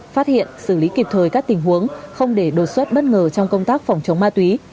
phát hiện xử lý kịp thời các tình huống không để đột xuất bất ngờ trong công tác phòng chống ma túy